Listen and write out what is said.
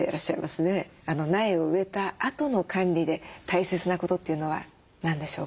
苗を植えたあとの管理で大切なことというのは何でしょうか？